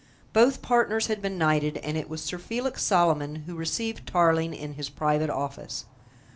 Both partners had been knighted, and it was Sir Felix Solomon who received Tarling in his private office.